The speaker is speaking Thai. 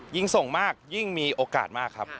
ยิ่งส่งมากยิ่งมีโอกาสมากครับ